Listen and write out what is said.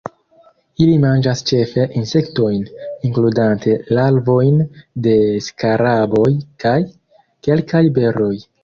Ili manĝas ĉefe insektojn, inkludante larvojn de skaraboj, kaj kelkaj beroj.